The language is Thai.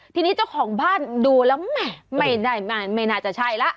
ทีนี้เจ้าของบ้านดูแล้วแหม่อไม่ได้ไม่น่าจะใช่ล่ะ